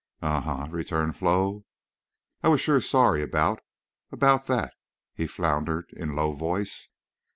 "Ahuh!" returned Flo. "I was shore sorry about—about that—" he floundered, in low voice.